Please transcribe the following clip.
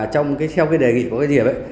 theo cái đề nghị của cái diệp